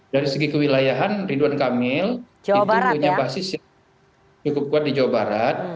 dari segi kewilayahan ridwan kamil itu punya basis yang cukup kuat di jawa barat